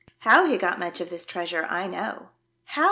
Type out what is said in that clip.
How he got much of this treasure I know." " How?"